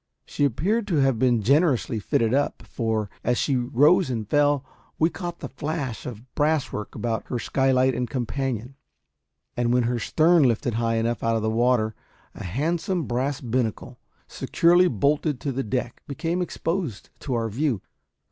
She appeared to have been generously fitted up; for, as she rose and fell, we caught the flash of brass work about her skylight and companion, and when her stern lifted high enough out of the water a handsome brass binnacle, securely bolted to the deck, became exposed to our view.